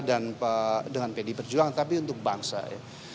dan dengan pdi perjuangan tapi untuk bangsa ya